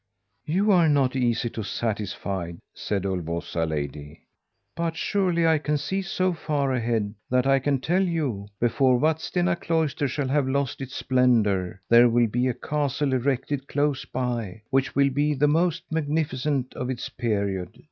"'You are not easy to satisfy,' said Ulvåsa lady, 'but surely I can see so far ahead that I can tell you, before Vadstena Cloister shall have lost its splendour, there will be a castle erected close by, which will be the most magnificent of its period.